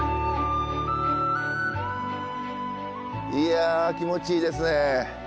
いや気持ちいいですね。